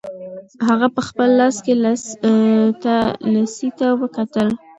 هغه په خپل لاس کې لسی ته وکتل.